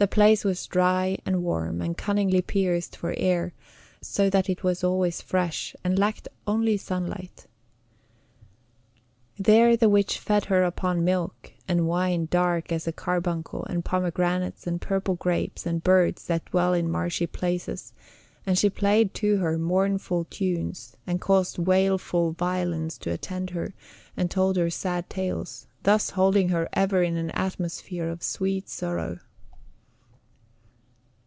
The place was dry and warm, and cunningly pierced for air, so that it was always fresh, and lacked only sunlight. There the witch fed her upon milk, and wine dark as a carbuncle, and pomegranates, and purple grapes, and birds that dwell in marshy places; and she played to her mournful tunes, and caused wailful violins to attend her, and told her sad tales, thus holding her ever in an atmosphere of sweet sorrow.